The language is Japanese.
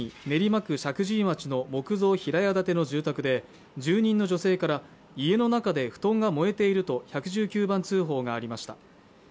練馬区石神井町の木造平屋建ての住宅で住人の女性から家の中で布団が燃えていると１１９番通報がありました